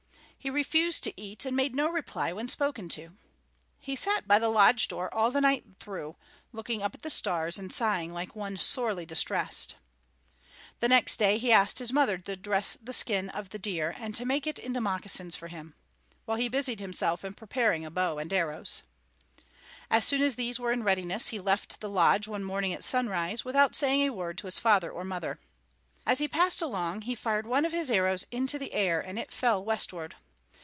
He refused to eat and made no reply when spoken to. He sat by the lodge door all the night through, looking up at the stars and sighing like one sorely distressed. The next day he asked his mother to dress the skin of the deer and to make it into moccasins for him, while he busied himself in preparing a bow and arrows. As soon as these were in readiness, he left the lodge one morning at sunrise, without saying a word to his father or mother. As he passed along, he fired one of his arrows into the air, and it fell westward.